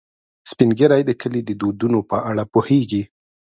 سپین ږیری د کلي د دودونو په اړه پوهیږي